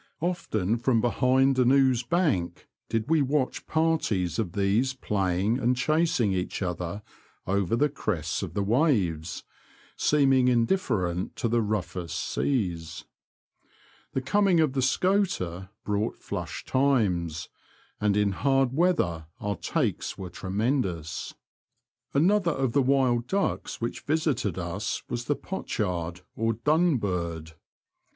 Often from behind an ooze bank did we watch parties of these playing and chasing each other over the crests of the waves, seeming indiff'erent to the roughest seas. The coming of the scoter brought flush times, The Confessions of a Poacher, 41 and in hard weather our takes were tremen dous. Another of the wild ducks which visited us was the pochard or dunbird.